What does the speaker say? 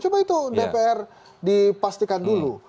coba itu dpr dipastikan dulu